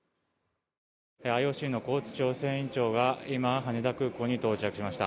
ＩＯＣのコーツ調整委員長が今、羽田空港に到着しました。